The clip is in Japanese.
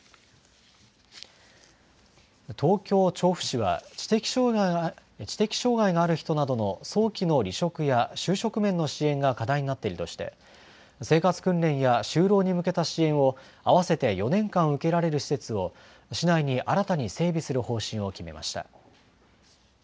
東京・調布市は、知的障害がある人などの早期の離職や就職面の支援が課題になっているとして、生活訓練や、就労に向けた支援を、合わせて４年間受けられる施設を、市内に新たに整備する方針を決めました。